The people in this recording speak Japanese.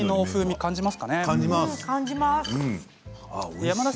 感じます。